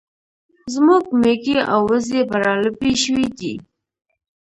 زموږ ميږي او وزې برالبې شوې دي